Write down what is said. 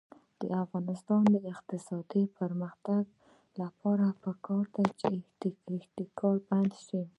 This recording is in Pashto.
د افغانستان د اقتصادي پرمختګ لپاره پکار ده چې احتکار بند شي.